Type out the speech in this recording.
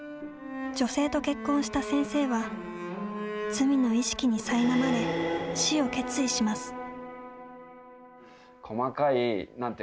女性と結婚した「先生」は罪の意識にさいなまれ死を決意します。